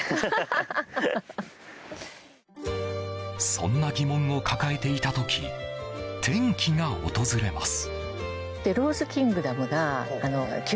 そんな疑問を抱えていた時転機が訪れます。